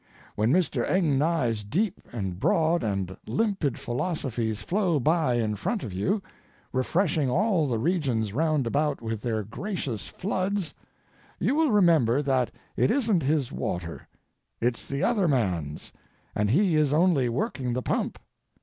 When Mr. Eng Nye's deep and broad and limpid philosophies flow by in front of you, refreshing all the regions round about with their gracious floods, you will remember that it isn't his water; it's the other man's, and he is only working the pump.